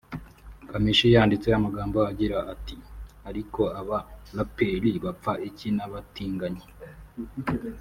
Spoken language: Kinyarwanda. Kamichi yanditse amagambo agira ati “Ariko aba rapeurs bapfa iki n’abatinganyi